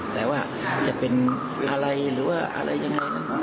แต่ว่าจะเป็นอะไรหรือว่าอะไรยังไง